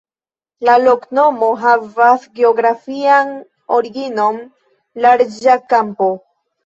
La loknomo havas geografian originon: larĝa kampo.